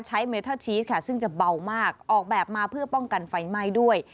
เมทัลชีสค่ะซึ่งจะเบามากออกแบบมาเพื่อป้องกันไฟไหม้ด้วย